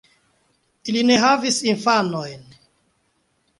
Ili ne havis infanojn.